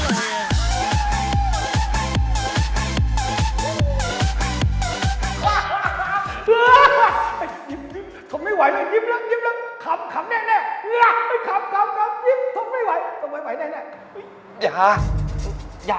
ขำสิขำเลยขำได้เลยอย่าขำอย่าขำ